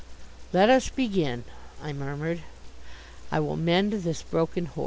"Let us begin," I murmured. "I will mend this broken horse."